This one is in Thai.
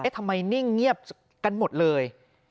ทำไมนิ่งเงียบกันหมดเลย